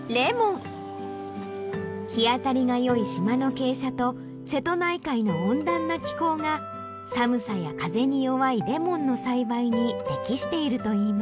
日当たりが良い島の傾斜と瀬戸内海の温暖な気候が寒さや風に弱いレモンの栽培に適しているといいます。